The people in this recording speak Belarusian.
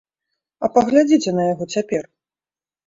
А паглядзіце на яго цяпер?